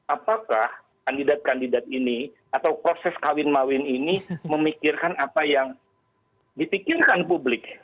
apakah kandidat kandidat ini atau proses kawin mawin ini memikirkan apa yang dipikirkan publik